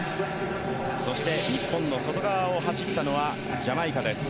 そして日本の外側を走ったのはジャマイカです。